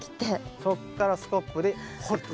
そっからスコップで掘ると。